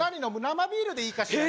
生ビールでいいかしら？